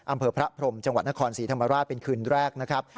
อำเภอพระพรมจังหวัดนครศรีธรรมราชเป็นคืนแรกนะครับ